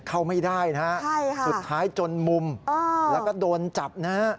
เข้าไม่ได้นะฮะสุดท้ายจนมุมแล้วก็โดนจับนะฮะ